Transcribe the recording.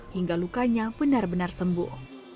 hingga lukanya benar benar sembuh